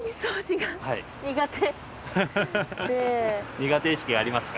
苦手意識ありますか？